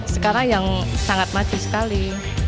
sekarang yang sangat maju sekali